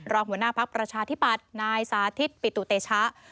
หัวหน้าพักประชาธิปัตย์นายสาธิตปิตุเตชะ